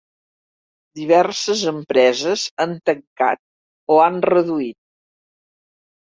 Diverses empreses han tancat o 'han reduït.